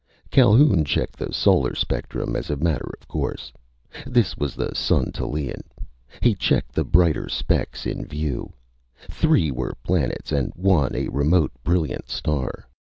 Calhoun checked the solar spectrum as a matter of course. This was the sun Tallien. He checked the brighter specks in view. Three were planets and one a remote brilliant star.